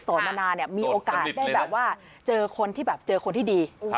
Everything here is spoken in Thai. มานานเนี่ยมีโอกาสได้แบบว่าเจอคนที่แบบเจอคนที่ดี